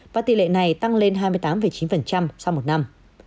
và tỷ lệ này tăng lên hai mươi tám chín sau một năm